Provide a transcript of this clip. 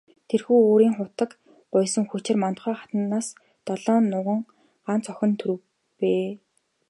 Тэрхүү үрийн хутаг гуйсан хүчээр Мандухай хатнаас долоон нуган, гагц охин төрвэй.